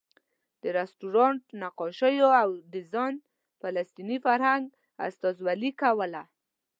د رسټورانټ نقاشیو او ډیزاین فلسطیني فرهنګ استازولې کوله.